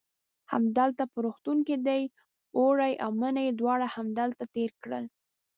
همدلته په روغتون کې دی، اوړی او منی یې دواړه همدلته تېر کړل.